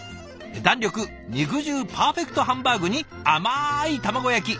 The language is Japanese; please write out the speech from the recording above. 弾力肉汁パーフェクトハンバーグに甘い卵焼き。